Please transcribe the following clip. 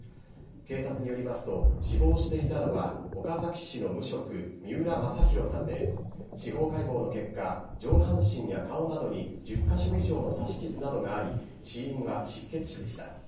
警察によりますと死亡していたのは岡崎市の無職・三浦正裕さんで司法解剖の結果上半身や顔などに１０カ所以上の刺し傷などがあり死因は失血死でした。